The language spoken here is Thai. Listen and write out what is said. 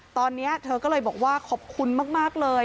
ตอนนี้เธอก็เลยบอกว่าขอบคุณมากเลย